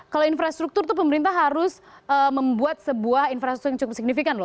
kalau infrastruktur itu pemerintah harus membuat sebuah infrastruktur yang cukup signifikan loh